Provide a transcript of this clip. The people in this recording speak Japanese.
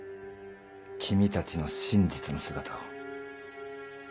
君たちの真実の姿を。